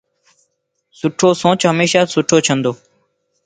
سھڻو سوچ ھميشا سھڻو ڇندو